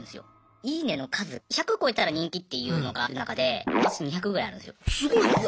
「いいね」の数１００超えたら人気っていうのがある中で私２００ぐらいあるんですよ。